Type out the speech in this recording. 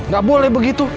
gak boleh begitu